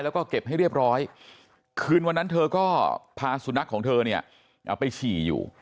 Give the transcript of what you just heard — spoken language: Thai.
แล้วก็เก็บให้เรียบร้อยคืนวันนั้นเธอก็พาสุนัขของเธอเนี่ยเอาไปฉี่อยู่